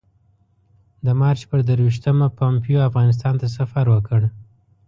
د مارچ پر درویشتمه پومپیو افغانستان ته سفر وکړ.